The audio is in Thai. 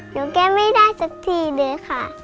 แก้ไม่ได้สักทีเลยค่ะ